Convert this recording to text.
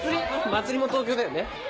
茉莉も東京だよね？